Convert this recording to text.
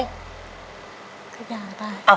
ก็อยากได้